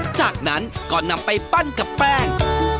จากนั้นก็นำไปปั้นกับแป้ง